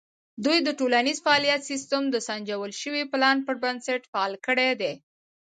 دوی د ټولنیز فعالیت سیستم د سنجول شوي پلان پر بنسټ فعال کړی دی.